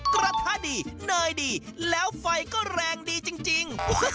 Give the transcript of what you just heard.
กระทะดีเนยดีแล้วไฟก็แรงดีจริง